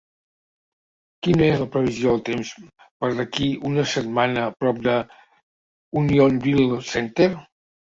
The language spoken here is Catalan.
Quina és la previsió del temps per d'aquí una setmana prop de Unionville Center?